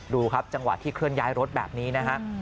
ดูครับจังหวะที่เคลื่อนย้ายรถแบบนี้นะฮะ